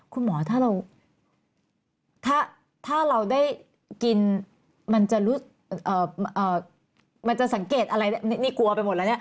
คุณหมอถ้าเราได้กินมันจะสังเกตอะไรนี่กลัวไปหมดแล้ว